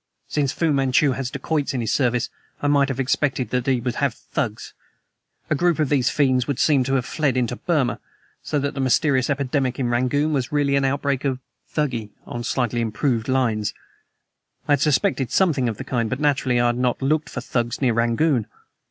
Since Fu Manchu has dacoits in his service I might have expected that he would have Thugs. A group of these fiends would seem to have fled into Burma; so that the mysterious epidemic in Rangoon was really an outbreak of thuggee on slightly improved lines! I had suspected something of the kind but, naturally, I had not looked for Thugs near Rangoon.